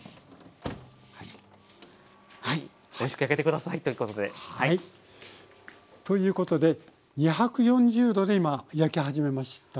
はいおいしく焼けて下さいということで。ということで２４０℃で今焼き始めましたが。